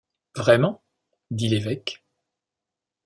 Vraiment? dit l’évêque.